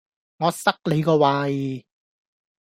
我塞你個胃!